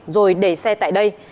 rồi để xe tại đây